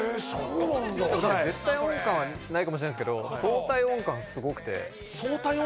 絶対音感はないかもしれないですけど相対音感がすごくて。